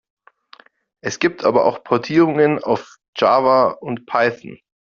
Es gibt aber auch Portierungen auf Java und Python.